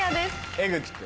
江口君。